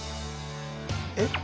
えっ？